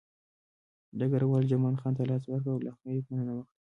ډګروال جمال خان ته لاس ورکړ او له هغه یې مننه وکړه